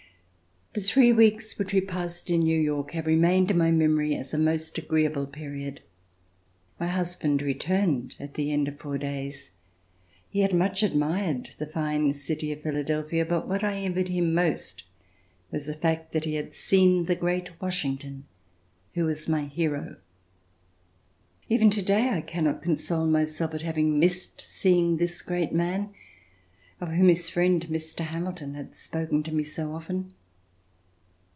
The three weeks which we passed in New York have remained in my memory as a most agreeable period. My husband returned at the end of four days. He had much admired the fine city of Philadelphia. But what I envied him most was the fact that he had seen the great Washington, who was my hero. Even to day I cannot console myself at having missed seeing this great man, of whom his friend, Mr. Hamilton, had spoken to me so often.